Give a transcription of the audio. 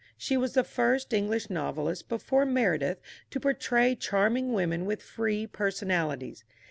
She was the first English novelist before Meredith to portray charming women with free personalities.